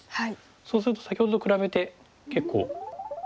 そうすると先ほどと比べて結構いい模様が。